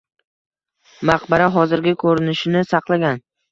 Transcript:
Maqbara hozirgi ko‘rinishi saqlangan.